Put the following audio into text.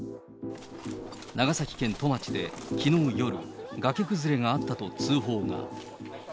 長崎県戸町できのう夜、がけ崩れがあったと通報が。